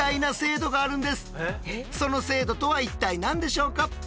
その制度とは一体何でしょうか？